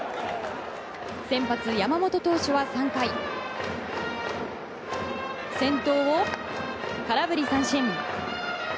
先発、山本投手は３回先頭を空振り三振。